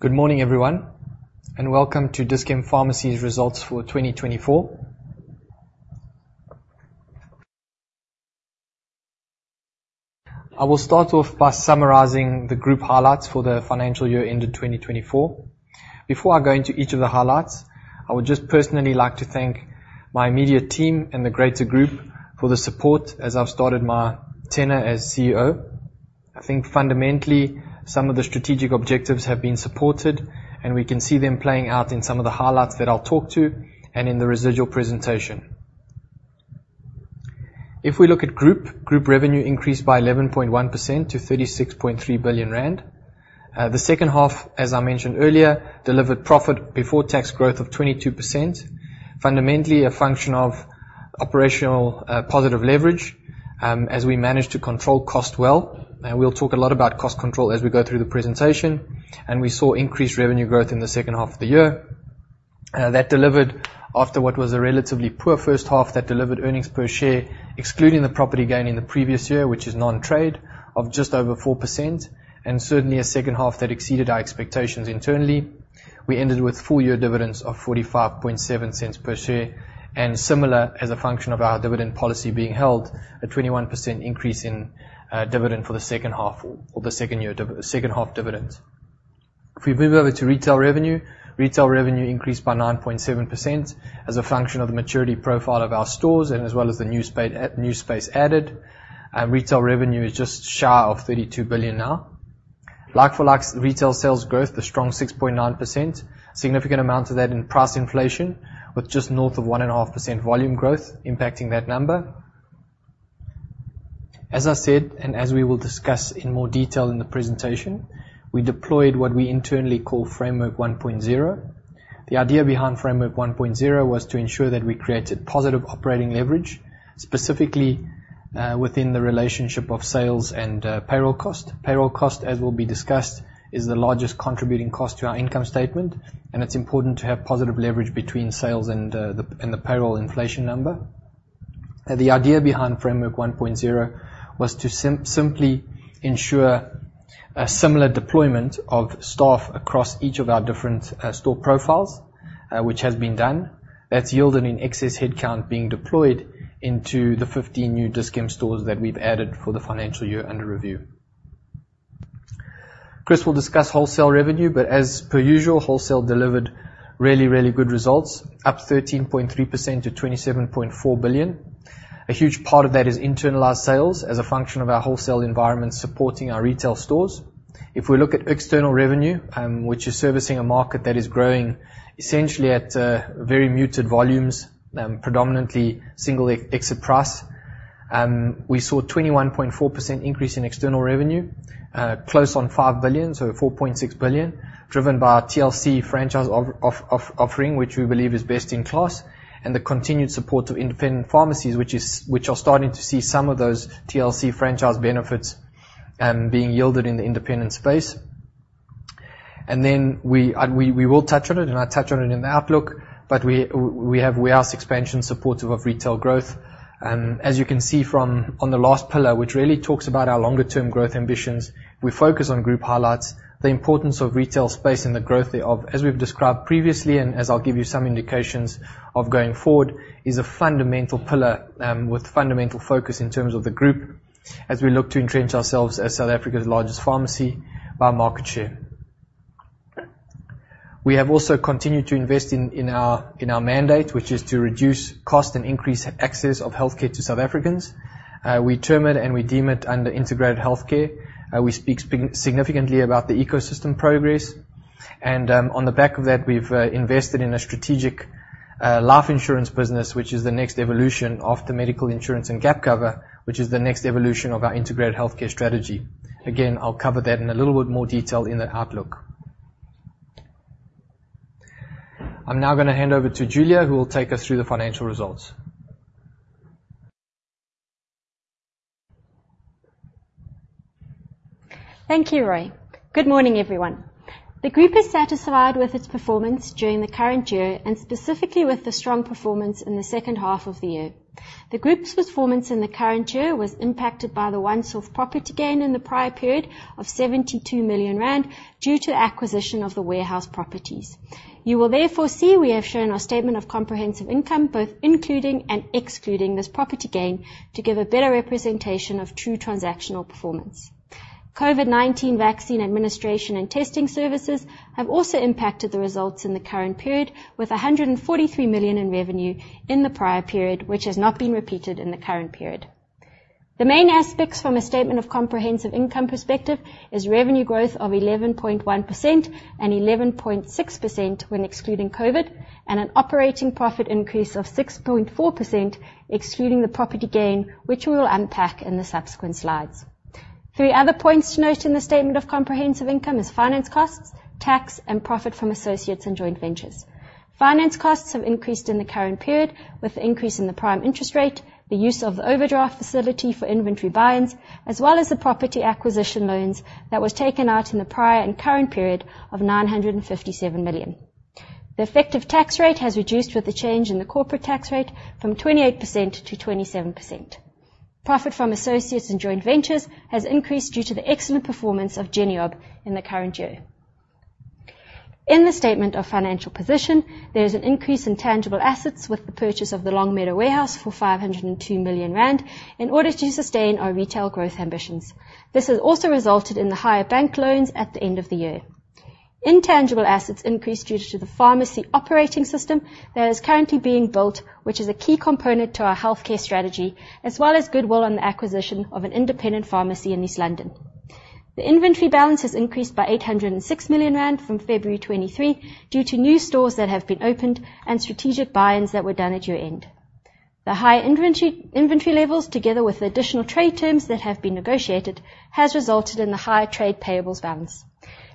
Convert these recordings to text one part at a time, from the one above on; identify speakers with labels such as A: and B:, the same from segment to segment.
A: Good morning, everyone, and welcome to Dis-Chem Pharmacies' results for 2024. I will start off by summarizing the group highlights for the financial year ended 2024. Before I go into each of the highlights, I would just personally like to thank my immediate team and the greater group for the support as I've started my tenure as CEO. I think fundamentally, some of the strategic objectives have been supported, and we can see them playing out in some of the highlights that I'll talk to and in the residual presentation. If we look at group, group revenue increased by 11.1% to 36.3 billion rand. The second half, as I mentioned earlier, delivered profit before tax growth of 22%. Fundamentally, a function of operational positive leverage, as we managed to control cost well, and we'll talk a lot about cost control as we go through the presentation, and we saw increased revenue growth in the second half of the year. That delivered after what was a relatively poor first half that delivered earnings per share, excluding the property gain in the previous year, which is non-trade, of just over 4% and certainly a second half that exceeded our expectations internally. We ended with full-year dividends of 0.457 per share, and similar as a function of our dividend policy being held, a 21% increase in dividend for the second half or the second half dividends. If we move over to retail revenue, retail revenue increased by 9.7% as a function of the maturity profile of our stores and as well as the new space added. Retail revenue is just shy of 32 billion now. Like-for-likes, retail sales growth, a strong 6.9%. Significant amount of that in price inflation, with just north of 1.5% volume growth impacting that number. As I said, and as we will discuss in more detail in the presentation, we deployed what we internally call Framework 1.0. The idea behind Framework 1.0 was to ensure that we created positive operating leverage, specifically, within the relationship of sales and, payroll cost. Payroll cost, as will be discussed, is the largest contributing cost to our income statement, and it's important to have positive leverage between sales and the payroll inflation number. The idea behind Framework 1.0 was to simply ensure a similar deployment of staff across each of our different store profiles, which has been done. That's yielded in excess headcount being deployed into the 15 new Dis-Chem stores that we've added for the financial year under review. Chris will discuss wholesale revenue, but as per usual, wholesale delivered really, really good results, up 13.3% to 27.4 billion. A huge part of that is internalized sales as a function of our wholesale environment supporting our retail stores. If we look at external revenue, which is servicing a market that is growing essentially at very muted volumes, predominantly Single Exit Price, we saw a 21.4% increase in external revenue, close on 5 billion, so 4.6 billion, driven by our TLC franchise offering, which we believe is best in class, and the continued support of independent pharmacies, which are starting to see some of those TLC franchise benefits being yielded in the independent space. And then we will touch on it, and I touch on it in the outlook, but we have warehouse expansion supportive of retail growth. As you can see from on the last pillar, which really talks about our longer term growth ambitions, we focus on group highlights, the importance of retail space and the growth thereof, as we've described previously, and as I'll give you some indications of going forward, is a fundamental pillar, with fundamental focus in terms of the group as we look to entrench ourselves as South Africa's largest pharmacy by market share. We have also continued to invest in our mandate, which is to reduce cost and increase access of healthcare to South Africans. We term it and we deem it under integrated healthcare. We speak significantly about the ecosystem progress and, on the back of that, we've invested in a strategic life insurance business, which is the next evolution of the medical insurance and gap cover, which is the next evolution of our integrated healthcare strategy. Again, I'll cover that in a little bit more detail in the outlook. I'm now gonna hand over to Julia, who will take us through the financial results.
B: Thank you, Rui. Good morning, everyone. The group is satisfied with its performance during the current year and specifically with the strong performance in the second half of the year. The group's performance in the current year was impacted by the once off property gain in the prior period of 72 million rand due to the acquisition of the warehouse properties. You will therefore see, we have shown our statement of comprehensive income, both including and excluding this property gain, to give a better representation of true transactional performance. COVID-19 vaccine administration and testing services have also impacted the results in the current period, with 143 million in revenue in the prior period, which has not been repeated in the current period. The main aspects from a statement of comprehensive income perspective is revenue growth of 11.1% and 11.6% when excluding COVID, and an operating profit increase of 6.4%, excluding the property gain, which we will unpack in the subsequent slides. Three other points to note in the statement of comprehensive income is finance costs, tax, and profit from associates and joint ventures. Finance costs have increased in the current period with the increase in the prime interest rate, the use of the overdraft facility for inventory buys, as well as the property acquisition loans that was taken out in the prior and current period of 957 million. The effective tax rate has reduced with the change in the corporate tax rate from 28% to 27%. Profit from associates and joint ventures has increased due to the excellent performance of Genop in the current year. In the statement of financial position, there is an increase in tangible assets with the purchase of the Longmeadow warehouse for 502 million rand in order to sustain our retail growth ambitions. This has also resulted in the higher bank loans at the end of the year. Intangible assets increased due to the pharmacy operating system that is currently being built, which is a key component to our healthcare strategy, as well as goodwill on the acquisition of an independent pharmacy in East London. The inventory balance has increased by 806 million rand from February 2023 due to new stores that have been opened and strategic buy-ins that were done at year-end. The high inventory, inventory levels, together with the additional trade terms that have been negotiated, has resulted in the higher trade payables balance.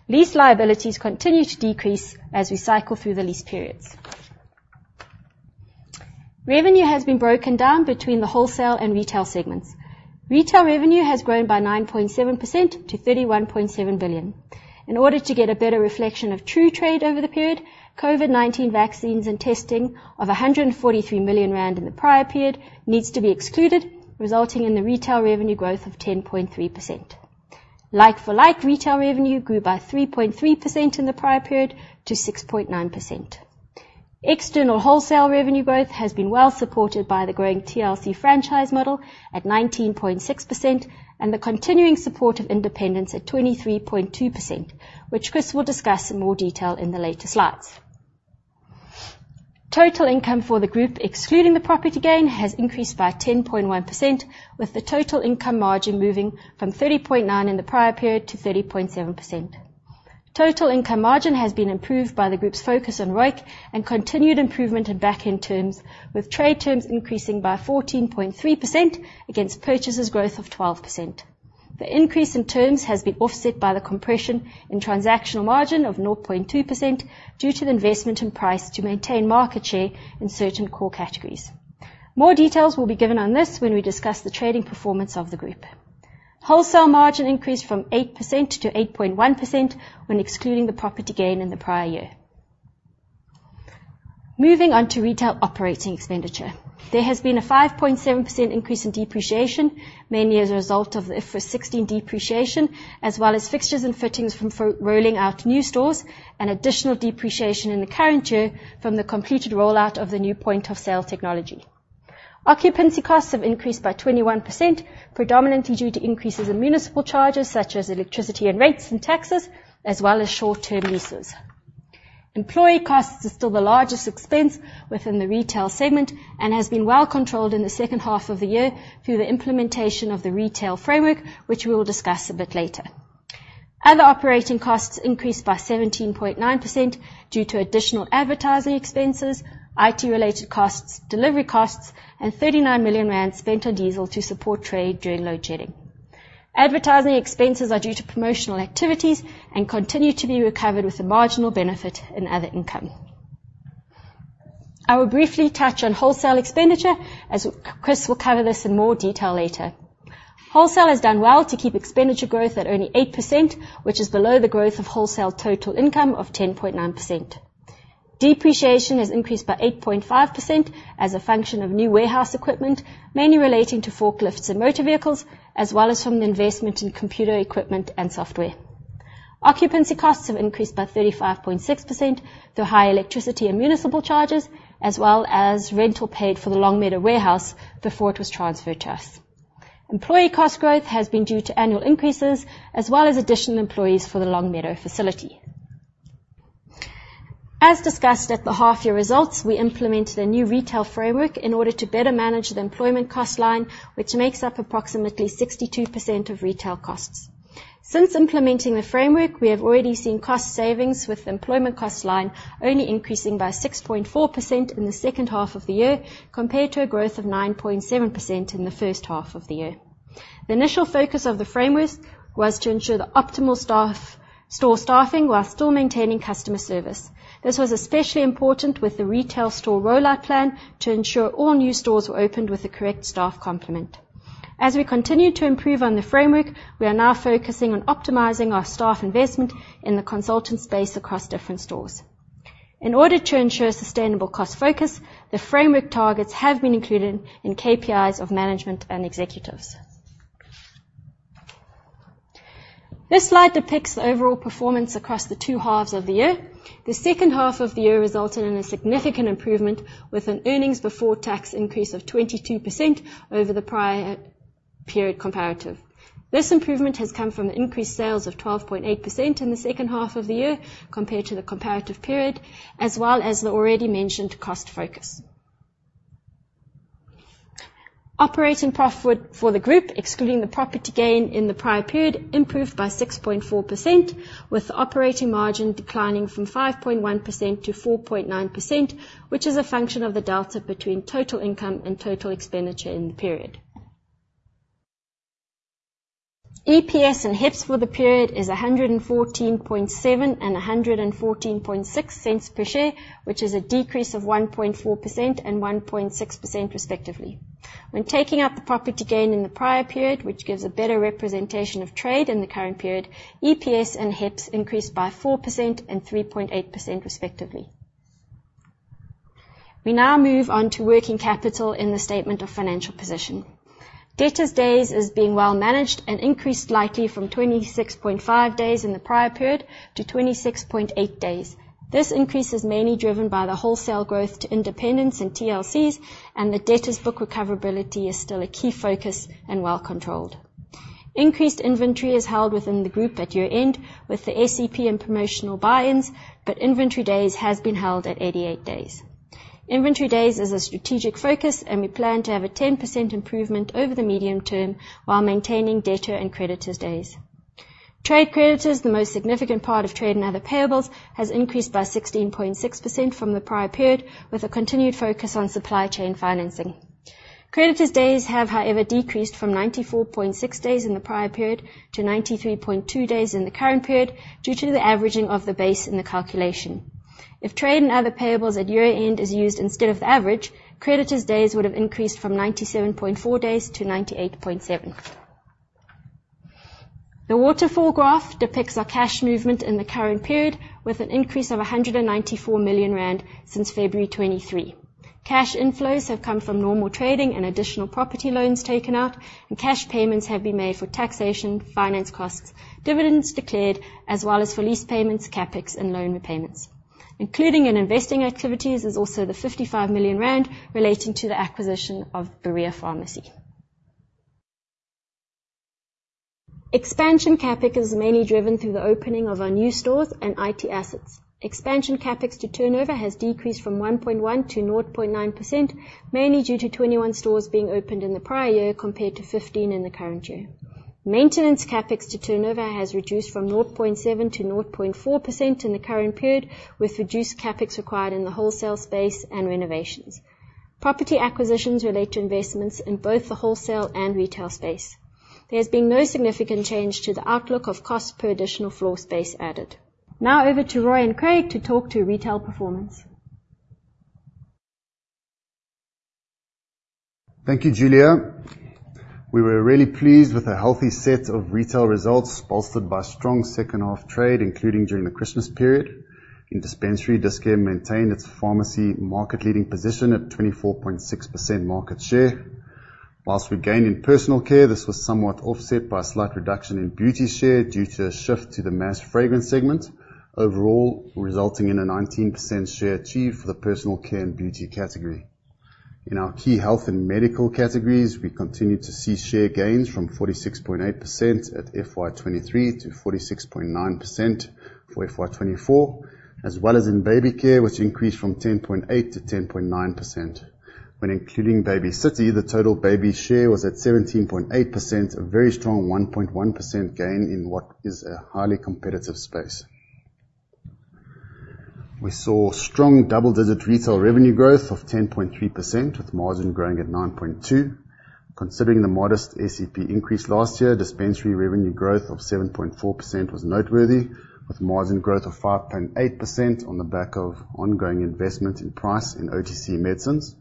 B: Lease liabilities continue to decrease as we cycle through the lease periods. Revenue has been broken down between the wholesale and retail segments. Retail revenue has grown by 9.7% to 31.7 billion. In order to get a better reflection of true trade over the period, COVID-19 vaccines and testing of 143 million rand in the prior period needs to be excluded, resulting in the retail revenue growth of 10.3%. Like-for-like, retail revenue grew by 3.3% in the prior period to 6.9%. External wholesale revenue growth has been well supported by the growing TLC franchise model at 19.6% and the continuing support of independents at 23.2%, which Chris will discuss in more detail in the later slides. Total income for the group, excluding the property gain, has increased by 10.1%, with the total income margin moving from 30.9 in the prior period to 30.7%. Total income margin has been improved by the group's focus on ROIC and continued improvement in back-end terms, with trade terms increasing by 14.3% against purchases growth of 12%. The increase in terms has been offset by the compression in transactional margin of 0.2% due to the investment in price to maintain market share in certain core categories. More details will be given on this when we discuss the trading performance of the group. Wholesale margin increased from 8% to 8.1% when excluding the property gain in the prior year. Moving on to retail operating expenditure. There has been a 5.7% increase in depreciation, mainly as a result of the IFRS 16 depreciation, as well as fixtures and fittings from rolling out new stores and additional depreciation in the current year from the completed rollout of the new point of sale technology. Occupancy costs have increased by 21%, predominantly due to increases in municipal charges, such as electricity and rates and taxes, as well as short-term leases. Employee costs are still the largest expense within the retail segment and has been well controlled in the second half of the year through the implementation of the retail framework, which we will discuss a bit later. Other operating costs increased by 17.9% due to additional advertising expenses, IT-related costs, delivery costs, and 39 million rand spent on diesel to support trade during load shedding. Advertising expenses are due to promotional activities and continue to be recovered with a marginal benefit in other income. I will briefly touch on wholesale expenditure, as Chris will cover this in more detail later. Wholesale has done well to keep expenditure growth at only 8%, which is below the growth of wholesale total income of 10.9%. Depreciation has increased by 8.5% as a function of new warehouse equipment, mainly relating to forklifts and motor vehicles, as well as from the investment in computer equipment and software. Occupancy costs have increased by 35.6% through higher electricity and municipal charges, as well as rental paid for the Longmeadow warehouse before it was transferred to us. Employee cost growth has been due to annual increases, as well as additional employees for the Longmeadow facility. As discussed at the half-year results, we implemented a new retail framework in order to better manage the employment cost line, which makes up approximately 62% of retail costs. Since implementing the framework, we have already seen cost savings with the employment cost line only increasing by 6.4% in the second half of the year, compared to a growth of 9.7% in the first half of the year. The initial focus of the framework was to ensure the optimal store staffing while still maintaining customer service. This was especially important with the retail store rollout plan to ensure all new stores were opened with the correct staff complement. As we continue to improve on the framework, we are now focusing on optimizing our staff investment in the consultant space across different stores. In order to ensure sustainable cost focus, the framework targets have been included in KPIs of management and executives. This slide depicts the overall performance across the two halves of the year. The second half of the year resulted in a significant improvement, with an earnings before tax increase of 22% over the prior period comparative. This improvement has come from the increased sales of 12.8% in the second half of the year compared to the comparative period, as well as the already mentioned cost focus. Operating profit for the group, excluding the property gain in the prior period, improved by 6.4%, with the operating margin declining from 5.1%-4.9%, which is a function of the delta between total income and total expenditure in the period. EPS and HEPS for the period is 1.147 and 1.146 per share, which is a decrease of 1.4% and 1.6% respectively. When taking out the property gain in the prior period, which gives a better representation of trade in the current period, EPS and HEPS increased by 4% and 3.8%, respectively. We now move on to working capital in the statement of financial position. Debtors' days is being well managed and increased slightly from 26.5 days in the prior period to 26.8 days. This increase is mainly driven by the wholesale growth to independents and TLCs, and the debtors book recoverability is still a key focus and well controlled. Increased inventory is held within the group at year-end, with the SEP and promotional buy-ins, but inventory days has been held at 88 days. Inventory days is a strategic focus, and we plan to have a 10% improvement over the medium term, while maintaining debtors' and creditors' days. Trade creditors, the most significant part of trade and other payables, has increased by 16.6% from the prior period, with a continued focus on supply chain financing. Creditors' days have, however, decreased from 94.6 days in the prior period to 93.2 days in the current period, due to the averaging of the base in the calculation. If trade and other payables at year-end is used instead of the average, creditors' days would have increased from 97.4 days to 98.7. The waterfall graph depicts our cash movement in the current period, with an increase of 194 million rand since February 2023. Cash inflows have come from normal trading and additional property loans taken out, and cash payments have been made for taxation, finance costs, dividends declared, as well as for lease payments, CapEx, and loan repayments. Including in investing activities is also the 55 million rand relating to the acquisition of Berea Pharmacy. Expansion CapEx is mainly driven through the opening of our new stores and IT assets. Expansion CapEx to turnover has decreased from 1.1% to 0.9%, mainly due to 21 stores being opened in the prior year, compared to 15 in the current year. Maintenance CapEx to turnover has reduced from 0.7% to 0.4% in the current period, with reduced CapEx required in the wholesale space and renovations. Property acquisitions relate to investments in both the wholesale and retail space. There has been no significant change to the outlook of cost per additional floor space added. Now over to Rui and Craig to talk to retail performance.
C: Thank you, Julia. We were really pleased with the healthy set of retail results, bolstered by strong second half trade, including during the Christmas period. In dispensary, Dis-Chem maintained its pharmacy market-leading position at 24.6% market share. While we gained in personal care, this was somewhat offset by a slight reduction in beauty share due to a shift to the mass fragrance segment. Overall, resulting in a 19% share achieved for the personal care and beauty category. In our key health and medical categories, we continued to see share gains from 46.8% at FY 2023 to 46.9% for FY 2024, as well as in baby care, which increased from 10.8 to 10.9%. When including Baby City, the total baby share was at 17.8%, a very strong 1.1% gain in what is a highly competitive space. We saw strong double-digit retail revenue growth of 10.3%, with margin growing at 9.2%. Considering the modest SEP increase last year, dispensary revenue growth of 7.4% was noteworthy, with margin growth of 5.8% on the back of ongoing investment in price and OTC medicines.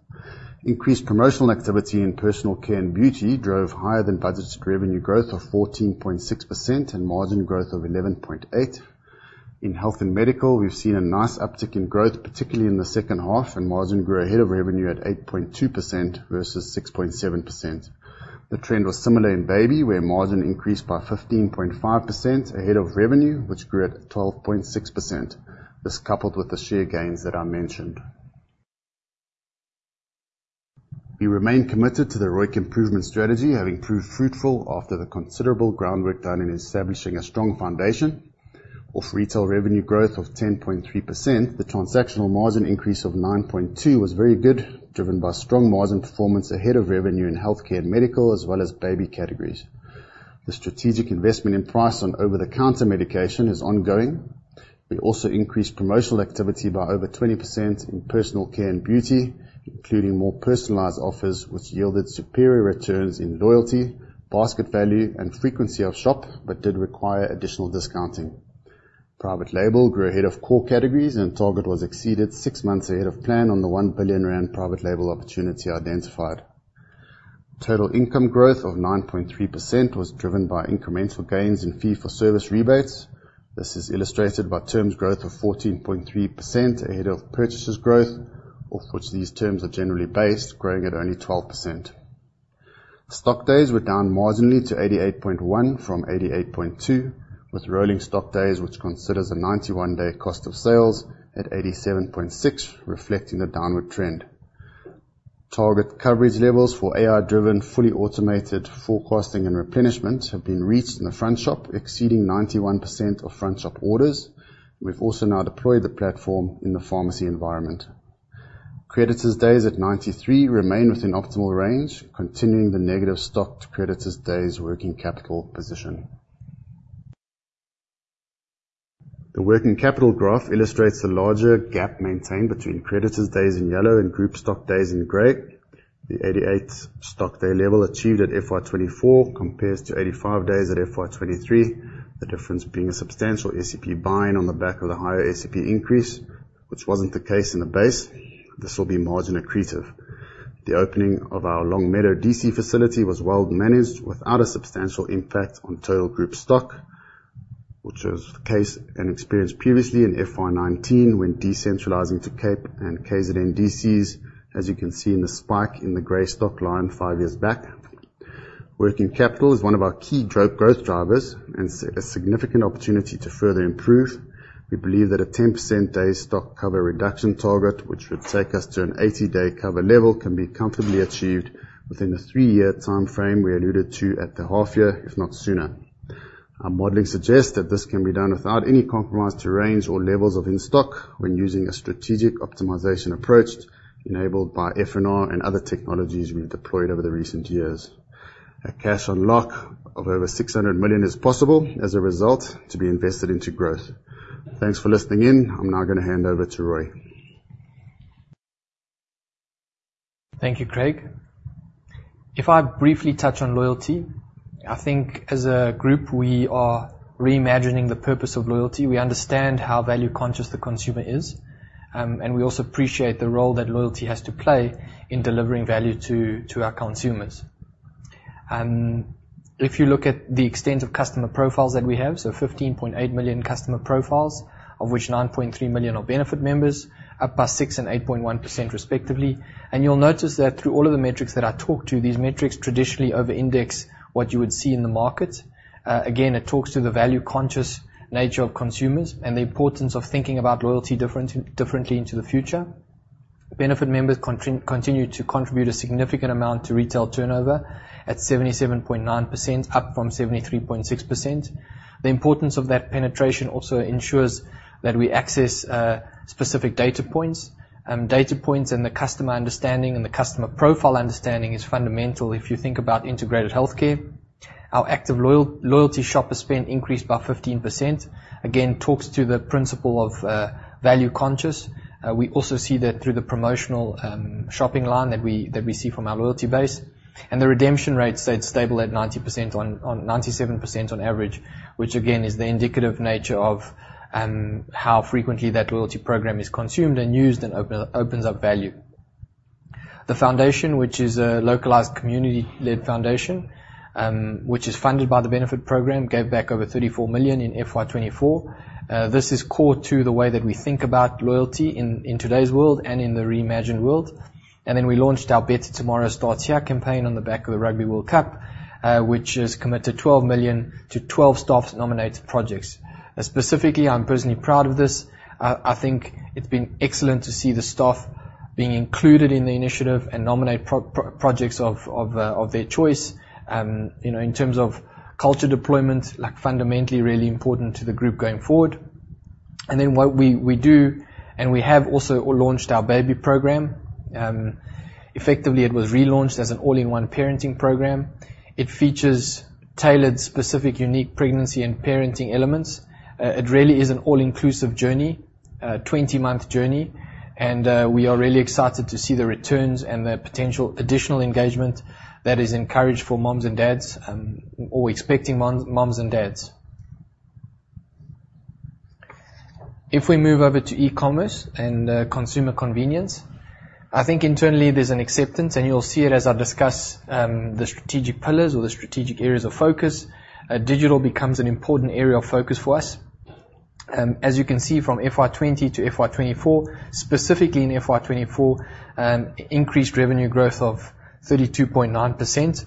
C: Increased promotional activity in personal care and beauty drove higher than budgeted revenue growth of 14.6% and margin growth of 11.8%. In health and medical, we've seen a nice uptick in growth, particularly in the second half, and margin grew ahead of revenue at 8.2% versus 6.7%. The trend was similar in baby, where margin increased by 15.5% ahead of revenue, which grew at 12.6%. This coupled with the share gains that I mentioned. We remain committed to the ROIC improvement strategy, having proved fruitful after the considerable groundwork done in establishing a strong foundation of retail revenue growth of 10.3%. The transactional margin increase of 9.2 was very good, driven by strong margin performance ahead of revenue in healthcare and medical, as well as baby categories. The strategic investment in price on over-the-counter medication is ongoing. We also increased promotional activity by over 20% in personal care and beauty, including more personalized offers, which yielded superior returns in loyalty, basket value, and frequency of shop, but did require additional discounting. Private label grew ahead of core categories, and target was exceeded six months ahead of plan on the 1 billion rand private label opportunity identified. Total income growth of 9.3% was driven by incremental gains in fee for service rebates. This is illustrated by terms growth of 14.3% ahead of purchases growth, of which these terms are generally based, growing at only 12%. Stock days were down marginally to 88.1 from 88.2, with rolling stock days, which considers a 91-day cost of sales at 87.6, reflecting the downward trend. Target coverage levels for AI-driven, fully automated forecasting and replenishment have been reached in the front shop, exceeding 91% of front shop orders. We've also now deployed the platform in the pharmacy environment. Creditors' days at 93 remain within optimal range, continuing the negative stock to creditors' days working capital position. The working capital graph illustrates the larger gap maintained between creditors' days in yellow and group stock days in gray. The 88 stock day level achieved at FY 2024 compares to 85 days at FY 2023. The difference being a substantial SEP buy-in on the back of the higher SEP increase, which wasn't the case in the base. This will be margin accretive. The opening of our Longmeadow DC facility was well managed, without a substantial impact on total group stock.... which was the case and experienced previously in FY 2019 when decentralizing to Cape and KZN DCs, as you can see in the spike in the gray stock line five years back. Working capital is one of our key growth, growth drivers and a significant opportunity to further improve. We believe that a 10% day stock cover reduction target, which would take us to an 80-day cover level, can be comfortably achieved within the 3-year timeframe we alluded to at the half year, if not sooner. Our modeling suggests that this can be done without any compromise to range or levels of in-stock when using a strategic optimization approach enabled by F&R and other technologies we've deployed over the recent years. A cash unlock of over 600 million is possible as a result to be invested into growth. Thanks for listening in. I'm now gonna hand over to Rui.
A: Thank you, Craig. If I briefly touch on loyalty, I think as a group, we are reimagining the purpose of loyalty. We understand how value-conscious the consumer is, and we also appreciate the role that loyalty has to play in delivering value to, to our consumers. If you look at the extent of customer profiles that we have, so 15.8 million customer profiles, of which 9.3 million are Benefit members, up by 6% and 8.1% respectively. And you'll notice that through all of the metrics that I talk to, these metrics traditionally over-index what you would see in the market. Again, it talks to the value-conscious nature of consumers and the importance of thinking about loyalty differently, differently into the future. Benefit members continue to contribute a significant amount to retail turnover at 77.9%, up from 73.6%. The importance of that penetration also ensures that we access specific data points. Data points and the customer understanding and the customer profile understanding is fundamental if you think about integrated healthcare. Our active loyalty shopper spend increased by 15%, again, talks to the principle of value conscious. We also see that through the promotional shopping line that we see from our loyalty base, and the redemption rate stayed stable at 97% on average, which again, is the indicative nature of how frequently that loyalty program is consumed and used and opens up value. The foundation, which is a localized community-led foundation, which is funded by the Benefit Programme, gave back over 34 million in FY 2024. This is core to the way that we think about loyalty in, in today's world and in the reimagined world. And then we launched our Better Tomorrow Starts Here campaign on the back of the Rugby World Cup, which has committed 12 million to 12 staff's nominated projects. Specifically, I'm personally proud of this. I think it's been excellent to see the staff being included in the initiative and nominate projects of their choice. You know, in terms of culture deployment, like, fundamentally really important to the group going forward. And then what we do, and we have also launched our Baby Programme. Effectively, it was relaunched as an all-in-one parenting program. It features tailored, specific, unique pregnancy and parenting elements. It really is an all-inclusive journey, 20-month journey, and we are really excited to see the returns and the potential additional engagement that is encouraged for moms and dads, or expecting moms, moms and dads. If we move over to e-commerce and consumer convenience, I think internally there's an acceptance, and you'll see it as I discuss the strategic pillars or the strategic areas of focus. Digital becomes an important area of focus for us. As you can see from FY 2020 to FY 2024, specifically in FY 2024, increased revenue growth of 32.9%.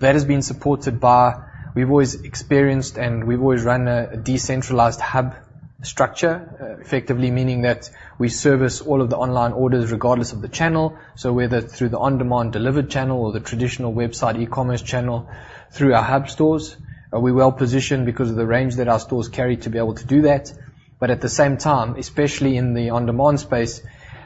A: That has been supported by... We've always experienced, and we've always run a decentralized hub structure, effectively meaning that we service all of the online orders regardless of the channel. So whether through the on-demand delivered channel or the traditional website e-commerce channel, through our hub stores, we're well positioned because of the range that our stores carry to be able to do that. But at the same time, especially in the on-demand space,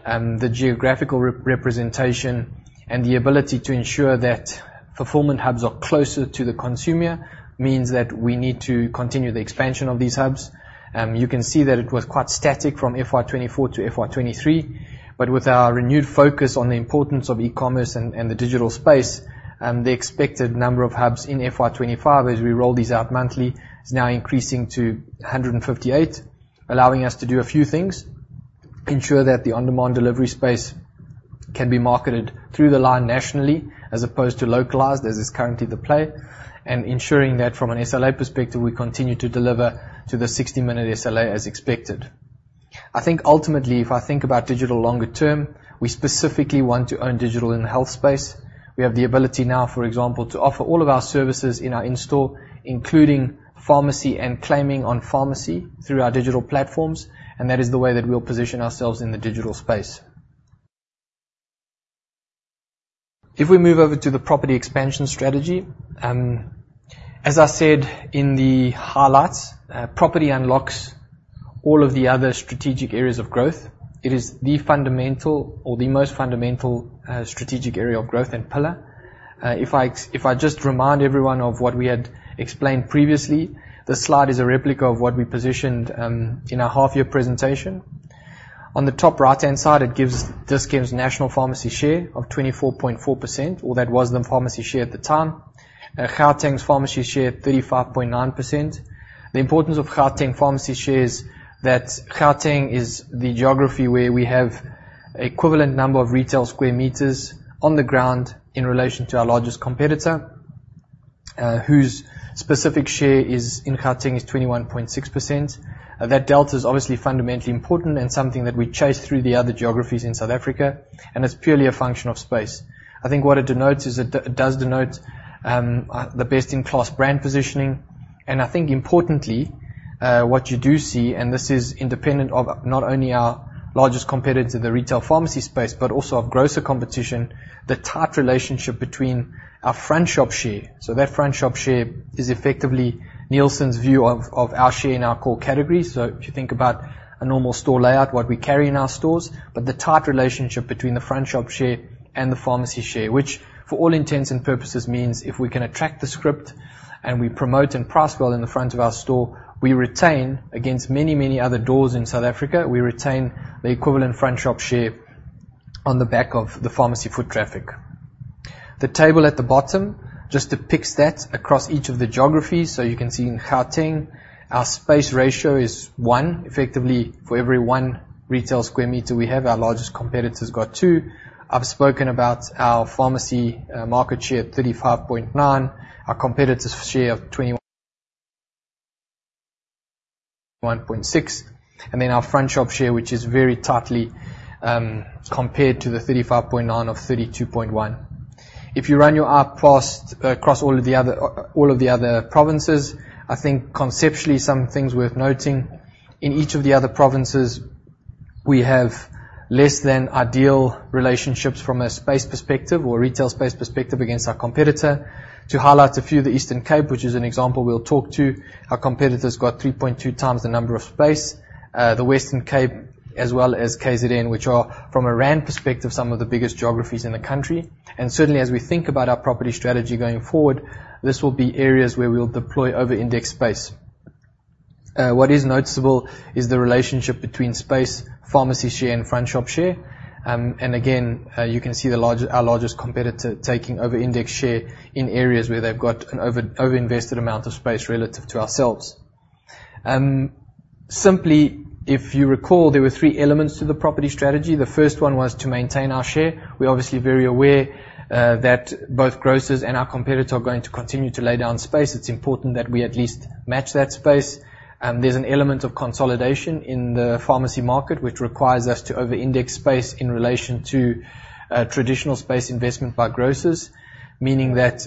A: the geographical representation and the ability to ensure that fulfillment hubs are closer to the consumer, means that we need to continue the expansion of these hubs. You can see that it was quite static from FY 2024 to FY 2023, but with our renewed focus on the importance of e-commerce and the digital space, the expected number of hubs in FY 2025 as we roll these out monthly, is now increasing to 158, allowing us to do a few things: ensure that the on-demand delivery space can be marketed through the line nationally, as opposed to localized, as is currently the play, and ensuring that from an SLA perspective, we continue to deliver to the 60-minute SLA as expected. I think ultimately, if I think about digital longer term, we specifically want to own digital in the health space. We have the ability now, for example, to offer all of our services in our in-store, including pharmacy and claiming on pharmacy, through our digital platforms, and that is the way that we'll position ourselves in the digital space. If we move over to the property expansion strategy, as I said in the highlights, property unlocks all of the other strategic areas of growth. It is the fundamental or the most fundamental, strategic area of growth and pillar. If I just remind everyone of what we had explained previously, this slide is a replica of what we positioned, in our half-year presentation. On the top right-hand side, it gives Dis-Chem's national pharmacy share of 24.4%, or that was the pharmacy share at the time. Gauteng's pharmacy share, 35.9%. The importance of Gauteng pharmacy share is that Gauteng is the geography where we have equivalent number of retail square meters on the ground in relation to our largest competitor, whose specific share in Gauteng is 21.6%. That delta is obviously fundamentally important and something that we chase through the other geographies in South Africa, and it's purely a function of space. I think what it denotes is it does denote the best-in-class brand positioning, and I think importantly, what you do see, and this is independent of not only our largest competitor in the retail pharmacy space, but also of grocer competition, the tight relationship between our front shop share. So that front shop share is effectively Nielsen's view of our share in our core categories. So if you think about a normal store layout, what we carry in our stores, but the tight relationship between the front shop share and the pharmacy share, which, for all intents and purposes, means if we can attract the script, and we promote and price well in the front of our store, we retain against many, many other doors in South Africa, we retain the equivalent front shop share on the back of the pharmacy foot traffic. The table at the bottom just depicts that across each of the geographies. So you can see in Gauteng, our space ratio is one. Effectively, for every one retail square meter we have, our largest competitor's got two. I've spoken about our pharmacy market share, 35.9%, our competitor's share of 21.6%, and then our front shop share, which is very tightly compared to the 35.9% or 32.1%. If you run your eye across all of the other provinces, I think conceptually some things worth noting: in each of the other provinces, we have less than ideal relationships from a space perspective or retail space perspective against our competitor. To highlight a few, the Eastern Cape, which is an example we'll talk to, our competitor's got 3.2x the number of space, the Western Cape, as well as KZN, which are, from a rand perspective, some of the biggest geographies in the country. Certainly, as we think about our property strategy going forward, this will be areas where we will deploy over index space. What is noticeable is the relationship between space, pharmacy share, and front shop share. And again, you can see the larger... our largest competitor taking over index share in areas where they've got an over, overinvested amount of space relative to ourselves. Simply, if you recall, there were three elements to the property strategy. The first one was to maintain our share. We're obviously very aware that both grocers and our competitor are going to continue to lay down space. It's important that we at least match that space. There's an element of consolidation in the pharmacy market, which requires us to overindex space in relation to traditional space investment by grocers, meaning that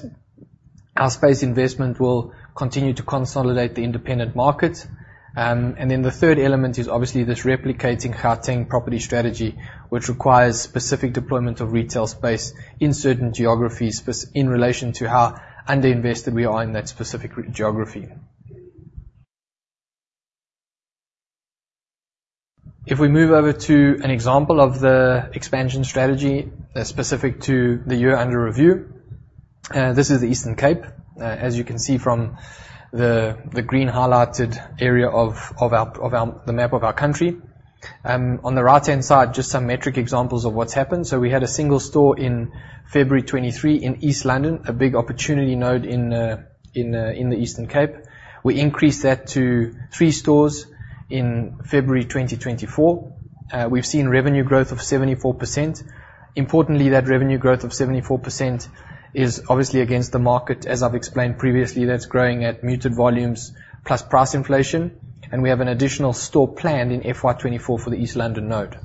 A: our space investment will continue to consolidate the independent market. And then the third element is obviously this replicating Gauteng property strategy, which requires specific deployment of retail space in certain geographies in relation to how underinvested we are in that specific geography. If we move over to an example of the expansion strategy that's specific to the year under review, this is the Eastern Cape. As you can see from the green highlighted area of our country. On the right-hand side, just some metric examples of what's happened. So we had a single store in February 2023 in East London, a big opportunity node in the Eastern Cape. We increased that to three stores in February 2024. We've seen revenue growth of 74%. Importantly, that revenue growth of 74% is obviously against the market, as I've explained previously, that's growing at muted volumes plus price inflation, and we have an additional store planned in FY 2024 for the East London node.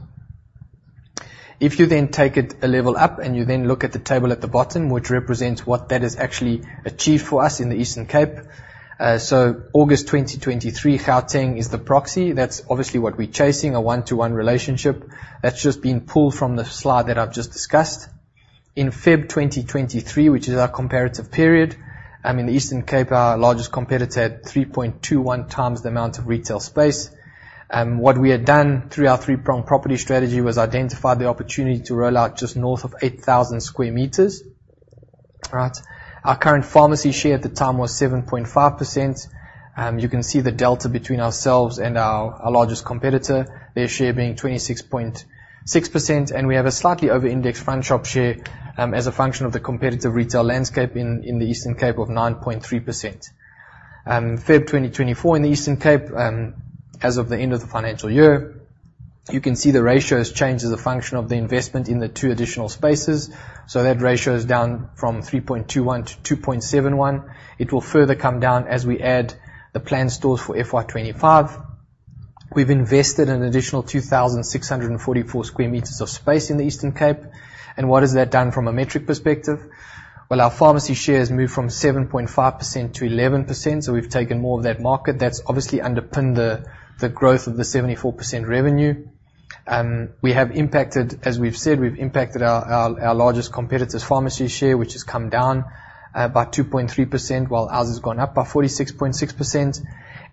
A: If you then take it a level up, and you then look at the table at the bottom, which represents what that has actually achieved for us in the Eastern Cape. So August 2023, Gauteng is the proxy. That's obviously what we're chasing, a 1-to-1 relationship. That's just been pulled from the slide that I've just discussed. In February 2023, which is our comparative period, in the Eastern Cape, our largest competitor had 3.21x the amount of retail space. What we had done through our three-prong property strategy was identify the opportunity to roll out just north of 8,000 square meters. Right? Our current pharmacy share at the time was 7.5%. You can see the delta between ourselves and our, our largest competitor, their share being 26.6%, and we have a slightly overindex front shop share, as a function of the competitive retail landscape in, in the Eastern Cape of 9.3%. February 2024 in the Eastern Cape, as of the end of the financial year, you can see the ratio has changed as a function of the investment in the two additional spaces, so that ratio is down from 3.21 to 2.71. It will further come down as we add the planned stores for FY 2025. We've invested an additional 2,644 sq m of space in the Eastern Cape. And what has that done from a metric perspective? Well, our pharmacy share has moved from 7.5% to 11%, so we've taken more of that market. That's obviously underpinned the growth of the 74% revenue. We have impacted... As we've said, we've impacted our largest competitor's pharmacy share, which has come down by 2.3%, while ours has gone up by 46.6%,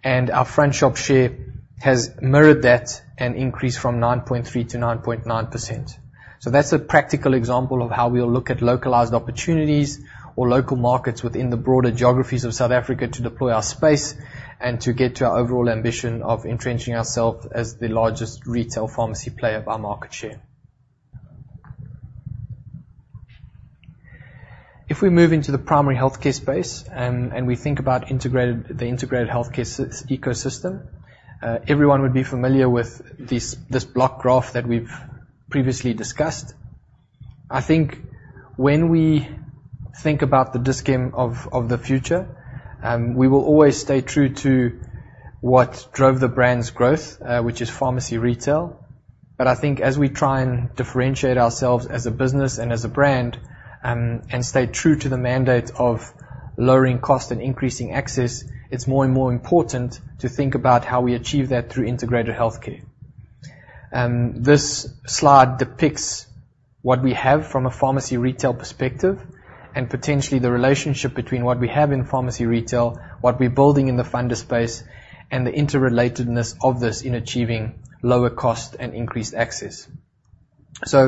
A: and our front shop share has mirrored that and increased from 9.3% to 9.9%. So that's a practical example of how we'll look at localized opportunities or local markets within the broader geographies of South Africa to deploy our space and to get to our overall ambition of entrenching ourself as the largest retail pharmacy player by market share... If we move into the primary healthcare space, and we think about the integrated healthcare ecosystem, everyone would be familiar with this block graph that we've previously discussed. I think when we think about the Dis-Chem of the future, we will always stay true to what drove the brand's growth, which is pharmacy retail. But I think as we try and differentiate ourselves as a business and as a brand, and stay true to the mandate of lowering cost and increasing access, it's more and more important to think about how we achieve that through integrated healthcare. This slide depicts what we have from a pharmacy retail perspective, and potentially the relationship between what we have in pharmacy retail, what we're building in the funder space, and the interrelatedness of this in achieving lower cost and increased access. So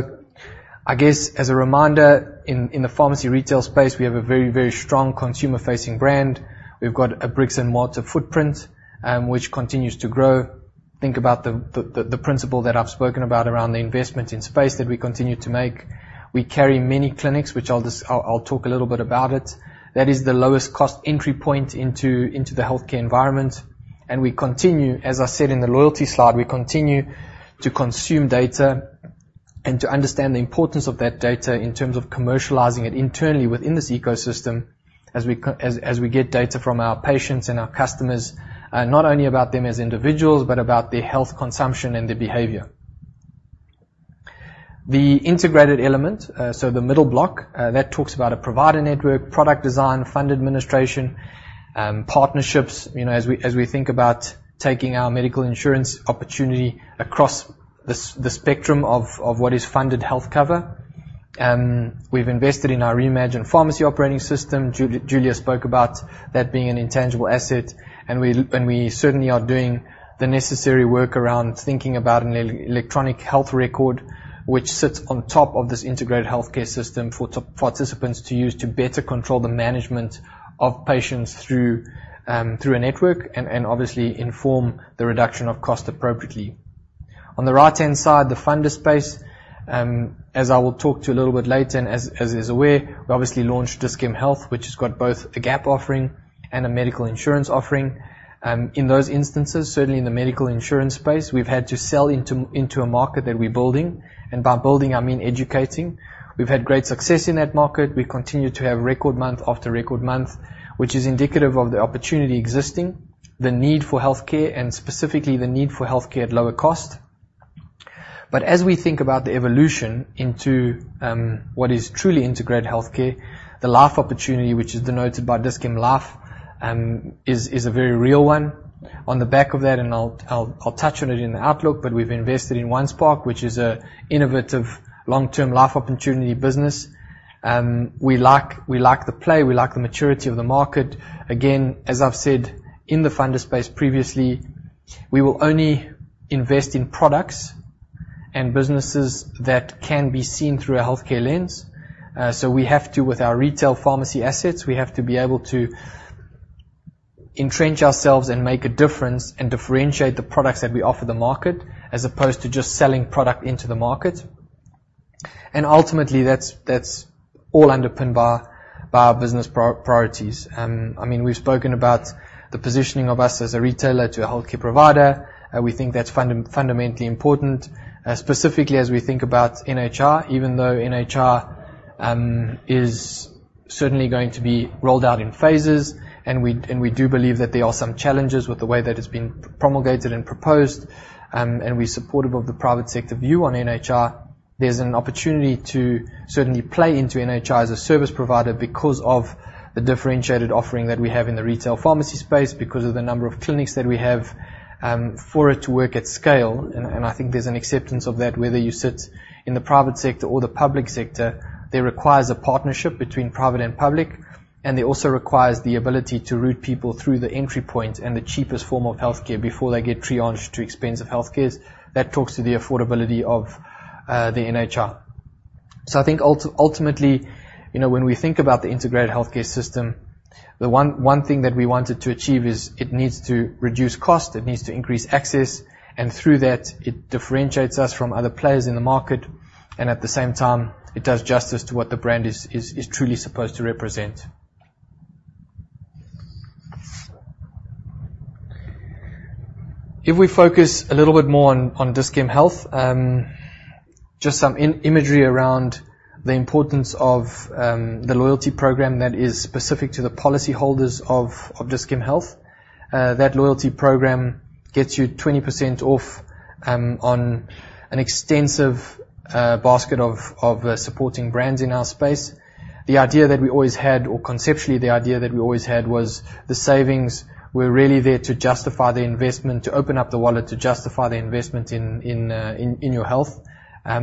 A: I guess as a reminder, in the pharmacy retail space, we have a very, very strong consumer-facing brand. We've got a bricks-and-mortar footprint, which continues to grow. Think about the principle that I've spoken about around the investment in space that we continue to make. We carry many clinics, which I'll just talk a little bit about it. That is the lowest cost entry point into the healthcare environment, and we continue... As I said in the loyalty slide, we continue to consume data and to understand the importance of that data in terms of commercializing it internally within this ecosystem as we get data from our patients and our customers, not only about them as individuals, but about their health consumption and their behavior. The integrated element, so the middle block, that talks about a provider network, product design, fund administration, partnerships, you know, as we, as we think about taking our medical insurance opportunity across the spectrum of, of what is funded health cover. We've invested in our reimagined pharmacy operating system. Julia, Julia spoke about that being an intangible asset, and we, and we certainly are doing the necessary work around thinking about an electronic health record, which sits on top of this integrated healthcare system for participants to use to better control the management of patients through a network, and, and obviously inform the reduction of cost appropriately. On the right-hand side, the funder space, as I will talk to a little bit later, and as is aware, we obviously launched Dis-Chem Health, which has got both a gap offering and a medical insurance offering. In those instances, certainly in the medical insurance space, we've had to sell into a market that we're building, and by building, I mean educating. We've had great success in that market. We continue to have record month after record month, which is indicative of the opportunity existing, the need for healthcare, and specifically the need for healthcare at lower cost. But as we think about the evolution into what is truly integrated healthcare, the life opportunity, which is denoted by Dis-Chem Life, is a very real one. On the back of that, and I'll touch on it in the outlook, but we've invested in One Spark, which is an innovative long-term life opportunity business. We like, we like the play, we like the maturity of the market. Again, as I've said in the funder space previously, we will only invest in products and businesses that can be seen through a healthcare lens. So we have to, with our retail pharmacy assets, we have to be able to entrench ourselves and make a difference and differentiate the products that we offer the market, as opposed to just selling product into the market. And ultimately, that's all underpinned by our business priorities. I mean, we've spoken about the positioning of us as a retailer to a healthcare provider, and we think that's fundamentally important, specifically as we think about NHI. Even though NHI is certainly going to be rolled out in phases, and we do believe that there are some challenges with the way that it's been promulgated and proposed, and we're supportive of the private sector view on NHI, there's an opportunity to certainly play into NHI as a service provider because of the differentiated offering that we have in the retail pharmacy space, because of the number of clinics that we have, for it to work at scale. I think there's an acceptance of that, whether you sit in the private sector or the public sector, that requires a partnership between private and public, and it also requires the ability to route people through the entry point and the cheapest form of healthcare before they get triaged to expensive healthcare. That talks to the affordability of the NHI. So I think ultimately, you know, when we think about the integrated healthcare system, the one thing that we wanted to achieve is it needs to reduce cost, it needs to increase access, and through that, it differentiates us from other players in the market, and at the same time, it does justice to what the brand is truly supposed to represent. If we focus a little bit more on Dis-Chem Health, just some imagery around the importance of the loyalty program that is specific to the policyholders of Dis-Chem Health. That loyalty program gets you 20% off on an extensive basket of supporting brands in our space. The idea that we always had, or conceptually, the idea that we always had, was the savings were really there to justify the investment, to open up the wallet, to justify the investment in your health. The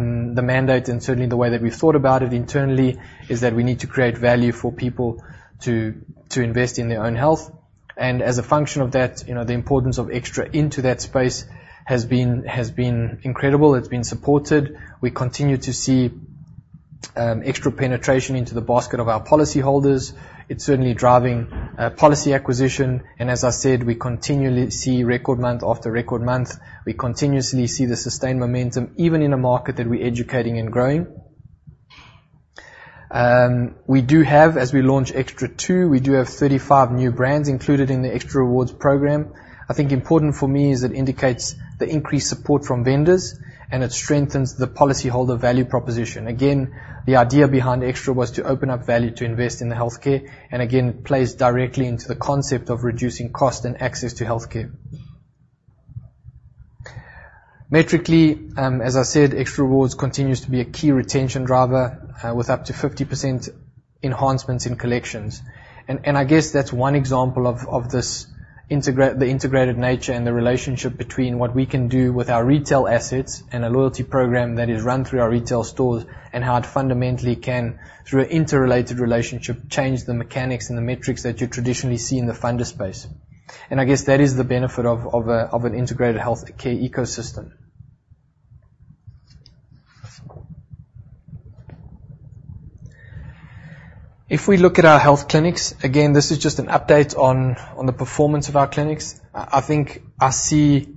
A: mandate, and certainly the way that we thought about it internally, is that we need to create value for people to invest in their own health, and as a function of that, you know, the importance of Extra into that space has been incredible. It's been supported. We continue to see Extra penetration into the basket of our policyholders. It's certainly driving policy acquisition, and as I said, we continually see record month after record month. We continuously see the sustained momentum, even in a market that we're educating and growing. We do have, as we launch Extra two, we do have 35 new brands included in the Extra Rewards Programme. I think important for me is it indicates the increased support from vendors, and it strengthens the policyholder value proposition. Again, the idea behind Extra was to open up value to invest in the healthcare, and again, plays directly into the concept of reducing cost and access to healthcare. Metrically, as I said, Extra Rewards continues to be a key retention driver, with up to 50% enhancements in collections. And I guess that's one example of this integrated nature and the relationship between what we can do with our retail assets and a loyalty program that is run through our retail stores, and how it fundamentally can, through interrelated relationship, change the mechanics and the metrics that you traditionally see in the funder space. And I guess that is the benefit of an integrated healthcare ecosystem. If we look at our health clinics, again, this is just an update on the performance of our clinics. I think I see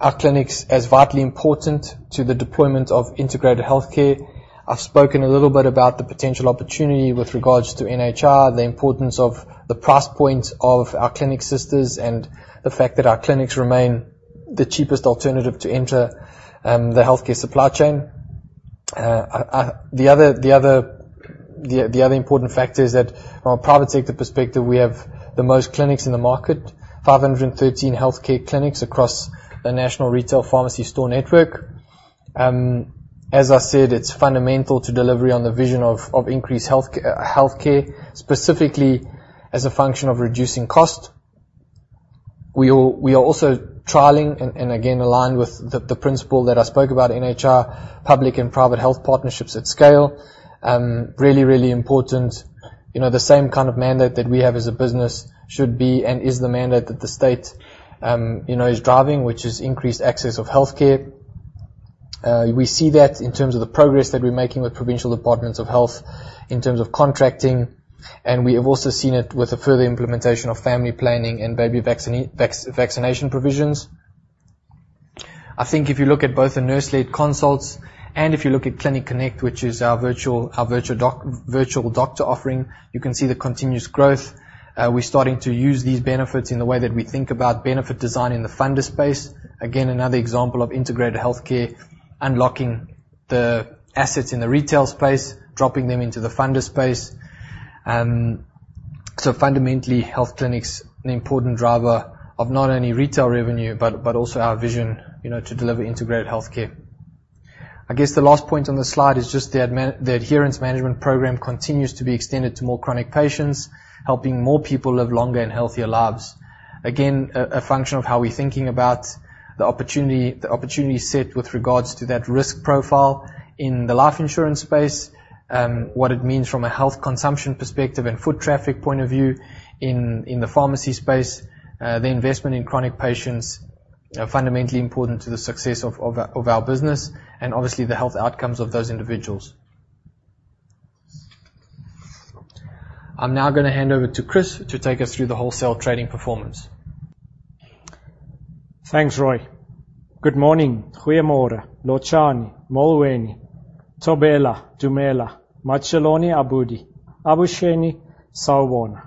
A: our clinics as vitally important to the deployment of integrated healthcare. I've spoken a little bit about the potential opportunity with regards to NHI, the importance of the price point of our clinic sisters, and the fact that our clinics remain the cheapest alternative to enter the healthcare supply chain. The other important factor is that from a private sector perspective, we have the most clinics in the market, 513 healthcare clinics across the national retail pharmacy store network. As I said, it's fundamental to delivery on the vision of increased healthcare, specifically as a function of reducing cost. We are also trialing, and again, aligned with the principle that I spoke about NHI, public and private health partnerships at scale. Really important. You know, the same kind of mandate that we have as a business should be, and is the mandate that the state, you know, is driving, which is increased access of healthcare. We see that in terms of the progress that we're making with provincial departments of health in terms of contracting, and we have also seen it with the further implementation of family planning and baby vaccination provisions. I think if you look at both the nurse-led consults and if you look at Clinic Connect, which is our virtual doctor offering, you can see the continuous growth. We're starting to use these benefits in the way that we think about benefit design in the funder space. Again, another example of integrated healthcare, unlocking the assets in the retail space, dropping them into the funder space. So fundamentally, health clinics, an important driver of not only retail revenue, but also our vision, you know, to deliver integrated healthcare. I guess the last point on this slide is just the adherence management program continues to be extended to more chronic patients, helping more people live longer and healthier lives. Again, a function of how we're thinking about the opportunity, the opportunity set with regards to that risk profile in the life insurance space, what it means from a health consumption perspective and foot traffic point of view in the pharmacy space, the investment in chronic patients are fundamentally important to the success of our business, and obviously, the health outcomes of those individuals. I'm now gonna hand over to Chris to take us through the wholesale trading performance.
D: Thanks, Rui. Good morning. Goeie more, Lotjhani, Molweni, Thobela, Dumela, Matsheloni, Abuti, Avuxeni, Sawubona.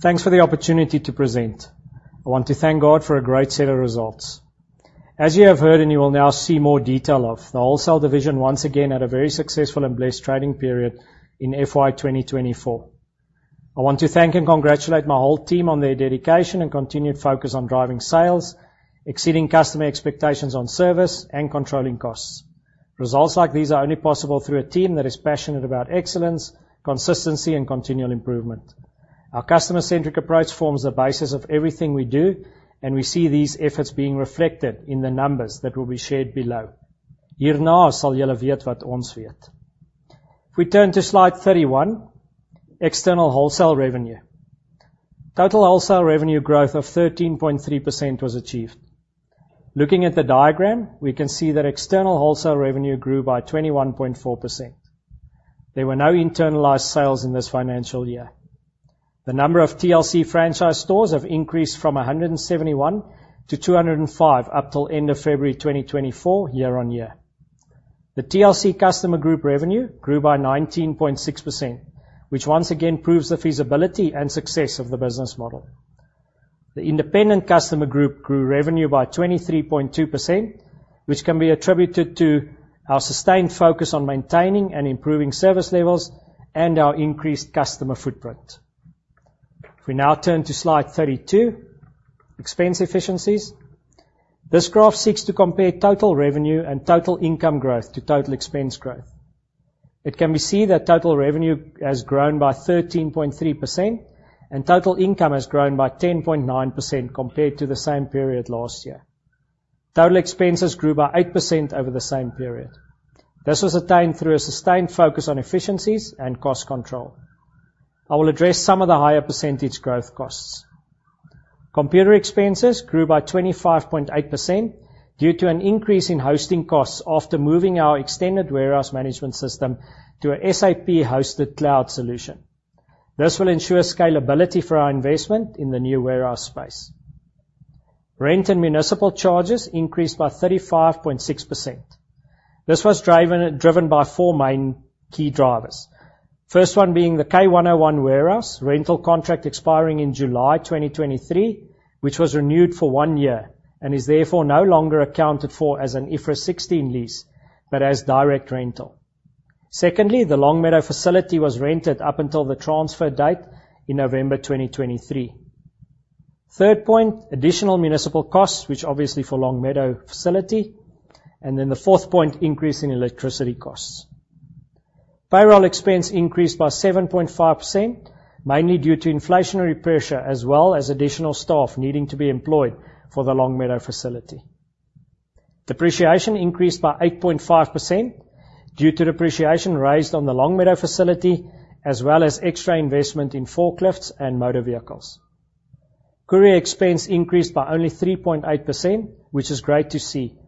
D: Thanks for the opportunity to present. I want to thank God for a great set of results. As you have heard, and you will now see more detail of, the wholesale division once again had a very successful and blessed trading period in FY 2024. I want to thank and congratulate my whole team on their dedication and continued focus on driving sales, exceeding customer expectations on service, and controlling costs. Results like these are only possible through a team that is passionate about excellence, consistency, and continual improvement. Our customer-centric approach forms the basis of everything we do, and we see these efforts being reflected in the numbers that will be shared below. "... hierna sal julle weet wat ons weet." If we turn to slide 31, external wholesale revenue. Total wholesale revenue growth of 13.3% was achieved. Looking at the diagram, we can see that external wholesale revenue grew by 21.4%. There were no internalized sales in this financial year. The number of TLC franchise stores have increased from 171 to 205 up till end of February 2024, year-on-year. The TLC customer group revenue grew by 19.6%, which once again proves the feasibility and success of the business model. The independent customer group grew revenue by 23.2%, which can be attributed to our sustained focus on maintaining and improving service levels and our increased customer footprint. If we now turn to slide 32, expense efficiencies. This graph seeks to compare total revenue and total income growth to total expense growth. It can be seen that total revenue has grown by 13.3%, and total income has grown by 10.9% compared to the same period last year. Total expenses grew by 8% over the same period. This was attained through a sustained focus on efficiencies and cost control. I will address some of the higher percentage growth costs. Computer expenses grew by 25.8% due to an increase in hosting costs after moving our Extended Warehouse Management system to a SAP-hosted cloud solution. This will ensure scalability for our investment in the new warehouse space. Rent and municipal charges increased by 35.6%. This was driven by four main key drivers. First one being the K101 warehouse rental contract expiring in July 2023, which was renewed for 1 year, and is therefore no longer accounted for as an IFRS 16 lease, but as direct rental. Secondly, the Longmeadow facility was rented up until the transfer date in November 2023. Third point, additional municipal costs, which obviously for Longmeadow facility, and then the fourth point, increase in electricity costs. Payroll expense increased by 7.5%, mainly due to inflationary pressure, as well as additional staff needing to be employed for the Longmeadow facility. Depreciation increased by 8.5% due to depreciation raised on the Longmeadow facility, as well as extra investment in forklifts and motor vehicles. Courier expense increased by only 3.8%, which is great to see,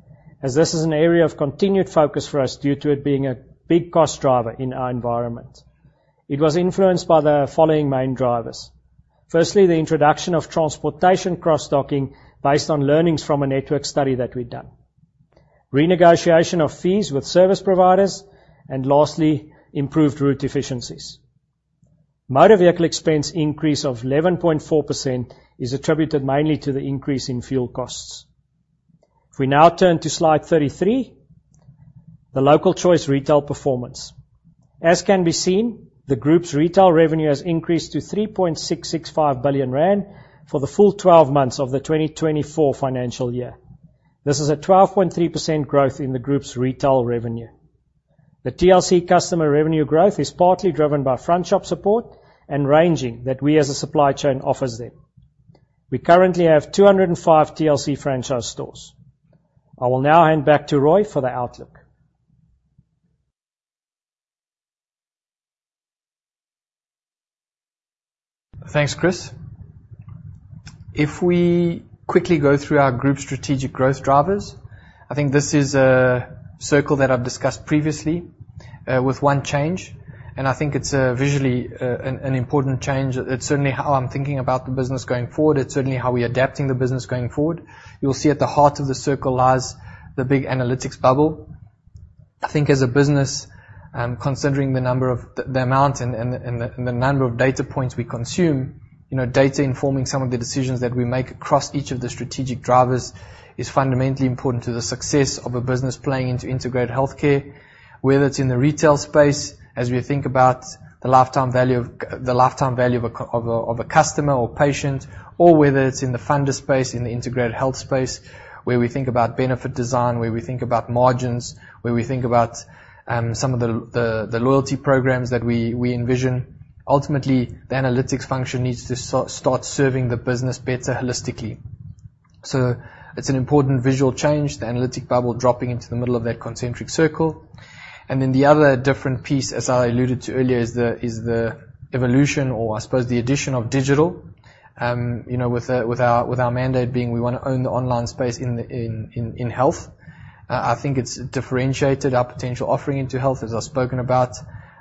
D: as this is an area of continued focus for us due to it being a big cost driver in our environment. It was influenced by the following main drivers: firstly, the introduction of transportation cross-docking based on learnings from a network study that we've done, renegotiation of fees with service providers, and lastly, improved route efficiencies. Motor vehicle expense increase of 11.4% is attributed mainly to the increase in fuel costs. If we now turn to slide 33, The Local Choice retail performance. As can be seen, the group's retail revenue has increased to 3.665 billion rand for the full 12 months of the 2024 financial year. This is a 12.3% growth in the group's retail revenue. The TLC customer revenue growth is partly driven by front shop support and ranging that we, as a supply chain, offers them. We currently have 205 TLC franchise stores. I will now hand back to Rui for the outlook.
A: Thanks, Chris. If we quickly go through our group strategic growth drivers, I think this is a circle that I've discussed previously with one change, and I think it's a visually an important change. It's certainly how I'm thinking about the business going forward. It's certainly how we're adapting the business going forward. You'll see at the heart of the circle lies the big analytics bubble. I think as a business, considering the amount and the number of data points we consume, you know, data informing some of the decisions that we make across each of the strategic drivers is fundamentally important to the success of a business playing into integrated healthcare. Whether it's in the retail space, as we think about the lifetime value of a customer or patient, or whether it's in the funder space, in the integrated health space, where we think about benefit design, where we think about margins, where we think about some of the loyalty programs that we envision. Ultimately, the analytics function needs to start serving the business better holistically. So it's an important visual change, the analytic bubble dropping into the middle of that concentric circle. And then the other different piece, as I alluded to earlier, is the evolution, or I suppose the addition of digital. You know, with our mandate being we wanna own the online space in health. I think it's differentiated our potential offering into health, as I've spoken about.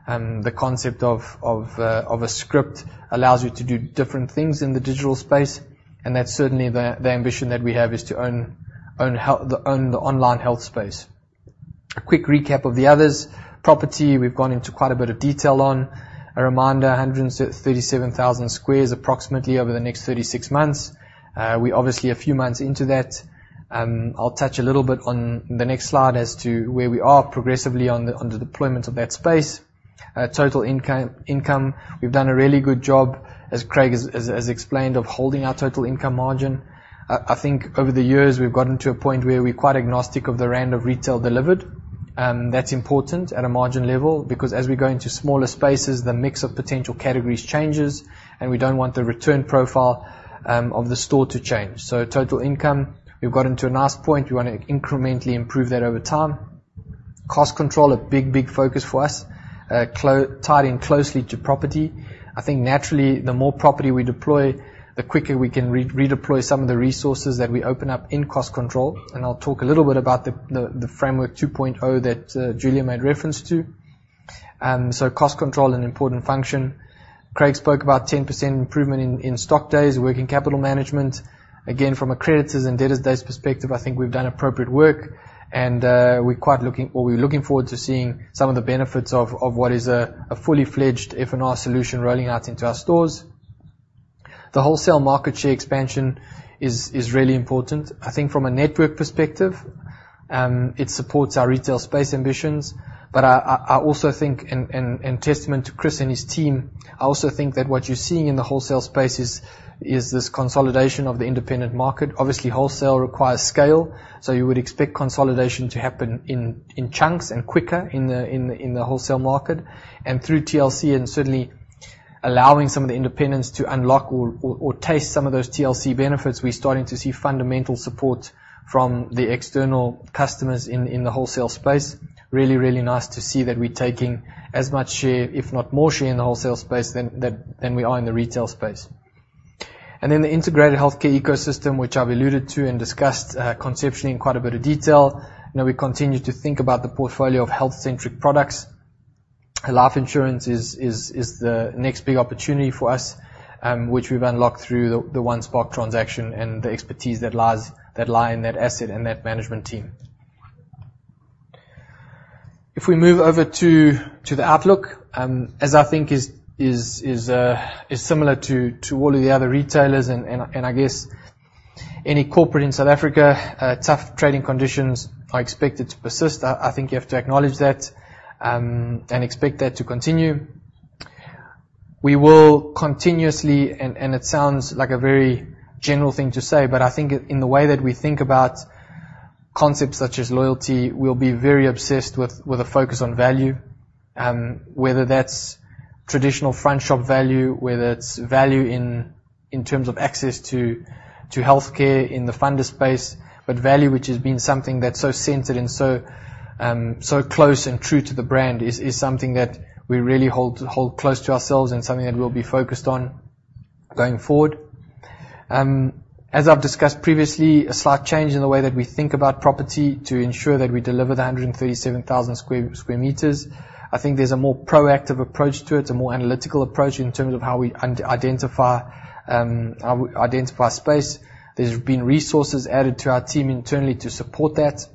A: The concept of a script allows you to do different things in the digital space, and that's certainly the ambition that we have, is to own the online health space. A quick recap of the others. Property, we've gone into quite a bit of detail on. A reminder, 137,000 squares, approximately over the next 36 months. We're obviously a few months into that. I'll touch a little bit on the next slide as to where we are progressively on the deployment of that space. Total income, we've done a really good job, as Craig has explained, of holding our total income margin. I think over the years, we've gotten to a point where we're quite agnostic of the rand of retail delivered. That's important at a margin level, because as we go into smaller spaces, the mix of potential categories changes, and we don't want the return profile of the store to change. So total income, we've gotten to a nice point. We want to incrementally improve that over time. Cost control, a big, big focus for us, closely tied to property. I think naturally, the more property we deploy, the quicker we can redeploy some of the resources that we open up in cost control, and I'll talk a little bit about the Framework 2.0 that Julia made reference to. So cost control, an important function. Craig spoke about 10% improvement in stock days, working capital management. Again, from a creditors and debtors days perspective, I think we've done appropriate work, and we're looking forward to seeing some of the benefits of what is a fully fledged F&R solution rolling out into our stores. The wholesale market share expansion is really important. I think from a network perspective, it supports our retail space ambitions, but I also think, and testament to Chris and his team, I also think that what you're seeing in the wholesale space is this consolidation of the independent market. Obviously, wholesale requires scale, so you would expect consolidation to happen in chunks and quicker in the wholesale market, and through TLC, and certainly allowing some of the independents to unlock or taste some of those TLC benefits, we're starting to see fundamental support from the external customers in the wholesale space. Really, really nice to see that we're taking as much share, if not more share in the wholesale space than we are in the retail space. And then the integrated healthcare ecosystem, which I've alluded to and discussed conceptually in quite a bit of detail, you know, we continue to think about the portfolio of health-centric products.... Life insurance is the next big opportunity for us, which we've unlocked through the One Spark transaction and the expertise that lies in that asset and that management team. If we move over to the outlook, as I think is similar to all of the other retailers and I guess any corporate in South Africa, tough trading conditions are expected to persist. I think you have to acknowledge that, and expect that to continue. We will continuously, and it sounds like a very general thing to say, but I think in the way that we think about concepts such as loyalty, we'll be very obsessed with a focus on value, whether that's traditional front shop value, whether it's value in terms of access to healthcare in the funder space, but value, which has been something that's so centered and so close and true to the brand, is something that we really hold close to ourselves and something that we'll be focused on going forward. As I've discussed previously, a slight change in the way that we think about property to ensure that we deliver the 137,000 square meters. I think there's a more proactive approach to it, a more analytical approach in terms of how we under... Identify how we identify space. There's been resources added to our team internally to support that,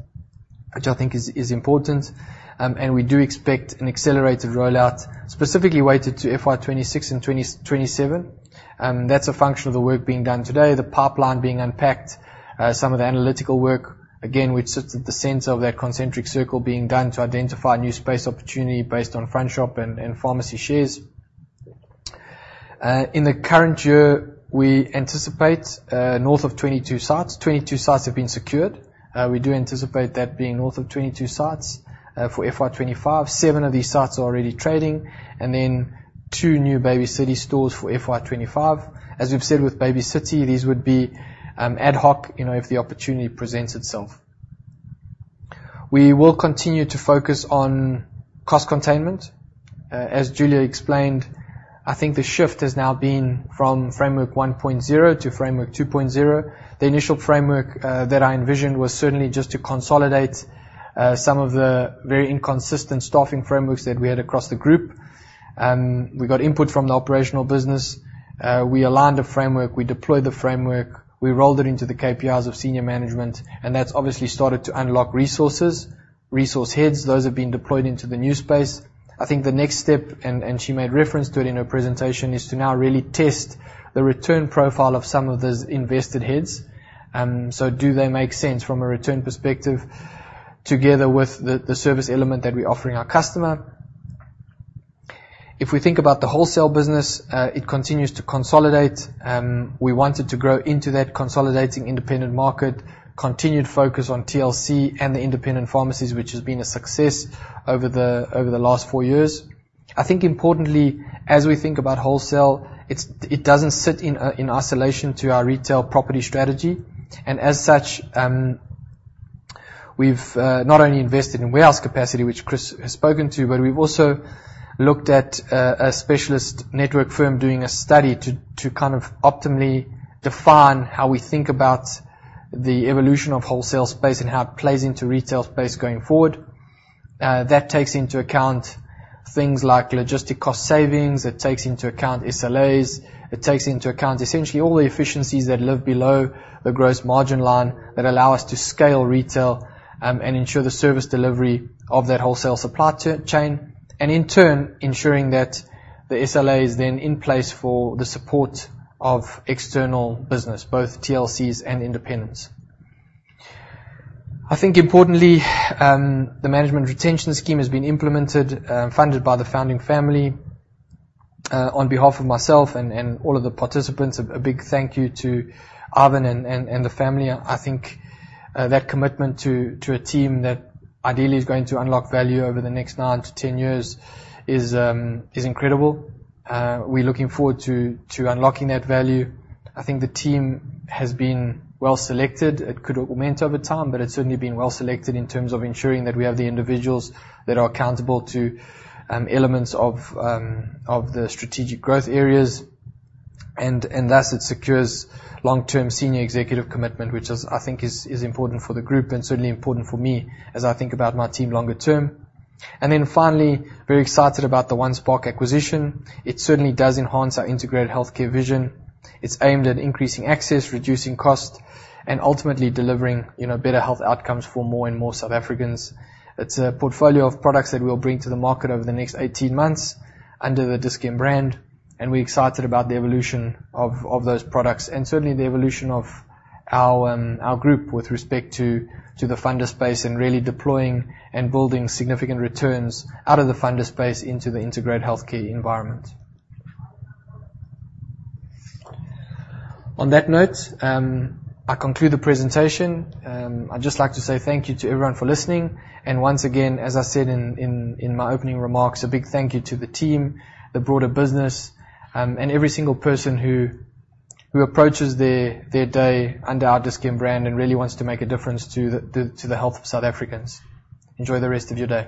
A: which I think is important. And we do expect an accelerated rollout, specifically weighted to FY 2026 and 2027, that's a function of the work being done today, the pipeline being unpacked, some of the analytical work, again, which sits at the center of that concentric circle being done to identify new space opportunity based on front shop and pharmacy shares. In the current year, we anticipate north of 22 sites. 22 sites have been secured. We do anticipate that being north of 22 sites for FY 2025. Seven of these sites are already trading, and then two new Baby City stores for FY 2025. As we've said, with Baby City, these would be ad hoc, you know, if the opportunity presents itself. We will continue to focus on cost containment. As Julia explained, I think the shift has now been from Framework 1.0 to Framework 2.0. The initial framework that I envisioned was certainly just to consolidate some of the very inconsistent staffing frameworks that we had across the group. We got input from the operational business, we aligned the framework, we deployed the framework, we rolled it into the KPIs of senior management, and that's obviously started to unlock resources. Resource heads, those have been deployed into the new space. I think the next step, and she made reference to it in her presentation, is to now really test the return profile of some of those invested heads. So do they make sense from a return perspective together with the service element that we're offering our customer? If we think about the wholesale business, it continues to consolidate. We wanted to grow into that consolidating independent market, continued focus on TLC and the independent pharmacies, which has been a success over the last four years. I think importantly, as we think about wholesale, it doesn't sit in isolation to our retail property strategy, and as such, we've not only invested in warehouse capacity, which Chris has spoken to, but we've also looked at a specialist network firm doing a study to kind of optimally define how we think about the evolution of wholesale space and how it plays into retail space going forward. That takes into account things like logistic cost savings, it takes into account SLAs, it takes into account essentially all the efficiencies that live below the gross margin line that allow us to scale retail, and ensure the service delivery of that wholesale supply chain, and in turn, ensuring that the SLA is then in place for the support of external business, both TLCs and independents. I think importantly, the management retention scheme has been implemented, funded by the founding family. On behalf of myself and all of the participants, a big thank you to Ivan and the family. I think that commitment to a team that ideally is going to unlock value over the next nine to 10 years is incredible. We're looking forward to unlocking that value. I think the team has been well selected. It could augment over time, but it's certainly been well selected in terms of ensuring that we have the individuals that are accountable to elements of the strategic growth areas, and thus it secures long-term senior executive commitment, which I think is important for the group and certainly important for me as I think about my team longer term. And then finally, very excited about the One Spark acquisition. It certainly does enhance our integrated healthcare vision. It's aimed at increasing access, reducing cost, and ultimately delivering, you know, better health outcomes for more and more South Africans. It's a portfolio of products that we'll bring to the market over the next 18 months under the Dis-Chem brand, and we're excited about the evolution of those products, and certainly the evolution of our group with respect to the funder space and really deploying and building significant returns out of the funder space into the integrated healthcare environment. On that note, I conclude the presentation. I'd just like to say thank you to everyone for listening, and once again, as I said in my opening remarks, a big thank you to the team, the broader business, and every single person who approaches their day under our Dis-Chem brand and really wants to make a difference to the health of South Africans. Enjoy the rest of your day.